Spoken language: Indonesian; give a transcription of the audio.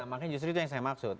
makanya justru itu yang saya maksud